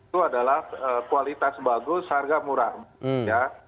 itu adalah kualitas bagus harga murah ya